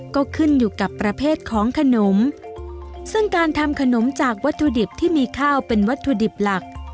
ก็ขึ้นอยู่กับประเภทของขนมซึ่งการทำขนมจากวัตถุดิบที่มีข้าวเป็นวัตถุดิบหลัก